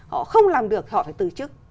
họ không làm được thì họ phải tự chức